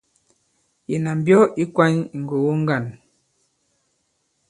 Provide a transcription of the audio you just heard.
Ìnà mbyɔ ì kwany ì ŋgògo ŋgân.